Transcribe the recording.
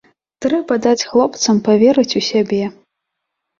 Трэба даць хлопцам паверыць у сябе.